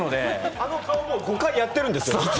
あの顔、もう５回、やってるんですよ。